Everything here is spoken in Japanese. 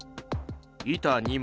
板２枚。